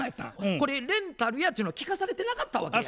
これレンタルやっていうのは聞かされてなかったわけや。